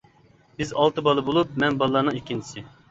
بىز ئالتە بالا بولۇپ، مەن بالىلارنىڭ ئىككىنچىسى.